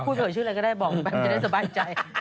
พูดเถอะชื่ออะไรก็ได้บอกไปมันจะได้สบายใจ